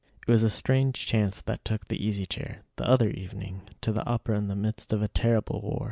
It was a strange chance that took the Easy Chair, the other evening, to the opera in the midst of a terrible war.